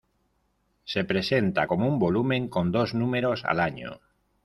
Se presenta como un volumen con dos números al año.